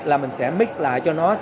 là mình sẽ mix lại cho nó